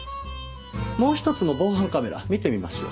もう一つの防犯カメラ見てみましょう。